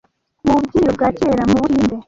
Mububyiniro bwa kera mubuhinde